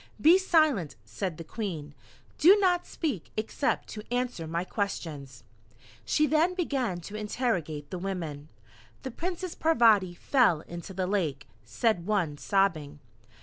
"Be silent," said the Queen; "Do not speak except to answer my questions!" She then began to interrogate the women. "The Princess Parvati fell into the lake," said one sobbing.